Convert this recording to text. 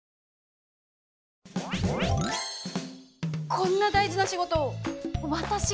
こんな大事な仕事を私が？